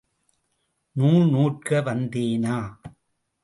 நூல் நூற்க வந்தேனா?